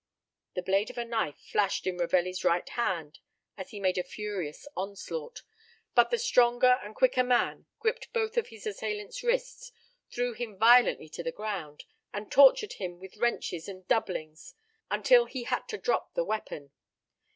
The blade of a knife flashed in Ravelli's right hand, as he made a furious onslaught; but the stronger and quicker man gripped both of his assailant's wrists, threw him violently to the ground, and tortured him with wrenches and doublings until he had to drop the weapon.